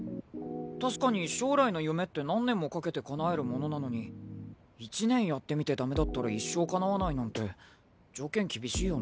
確かに将来の夢って何年もかけてかなえるものなのに１年やってみて駄目だったら一生かなわないなんて条件厳しいよな。